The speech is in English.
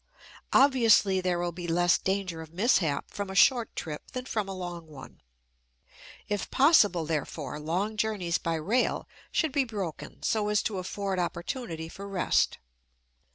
Obviously there will be less danger of mishap from a short trip than from a long one; if possible, therefore, long journeys by rail should be broken so as to afford opportunity for rest.